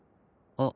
あっ。